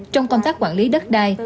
trong công tác quản lý đất đai